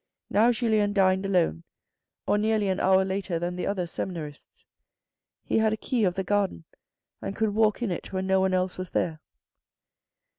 Now Julien dined alone, or nearly an hour later than the other seminarists. He had a key of the garden and could walk in it when no one else was there.